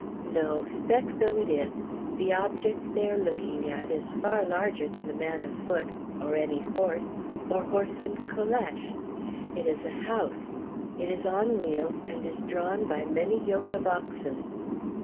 No, speck though it is, the object they are looking at is far larger than a man afoot, or any horse, or horse and calèche. It is a house. It is on wheels, and is drawn by many yoke of oxen.